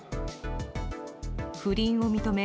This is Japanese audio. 不倫を認め